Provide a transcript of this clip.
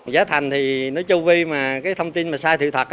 giá thành thì nó châu vi mà cái thông tin mà sai thị thật